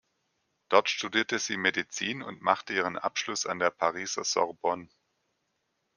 Dort studierte sie Medizin und machte ihren Abschluss an der Pariser Sorbonne.